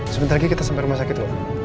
sebentar lagi kita sampai rumah sakit